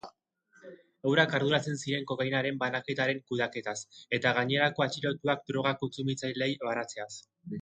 Eurak arduratzen ziren kokainaren banaketaren kudeaketaz, eta gainerako atxilotuak droga kontsumitzaileei banatzeaz.